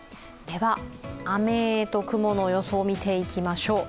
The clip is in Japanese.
雨と雲の予想を見ていきましょう。